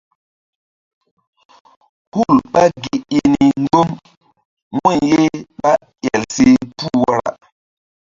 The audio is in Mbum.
Hul ɓá gi i ni mgbu̧m wu̧y ye ɓá el si puh wara.